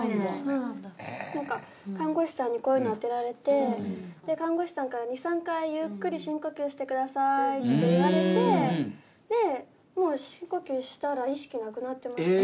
何か看護師さんにこういうの当てられて看護師さんから「２３回ゆっくり深呼吸してください」って言われてでもう深呼吸したら意識なくなってました。